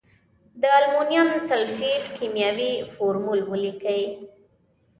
د المونیم سلفیټ کیمیاوي فورمول ولیکئ.